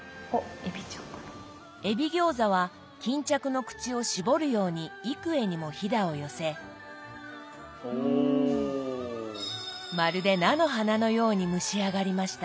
えび餃子は巾着の口を絞るように幾重にもひだを寄せまるで菜の花のように蒸し上がりました。